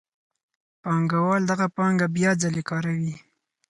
پانګوال دغه پانګه بیا ځلي کاروي